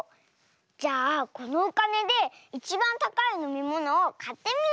じゃあこのおかねでいちばんたかいのみものをかってみよう！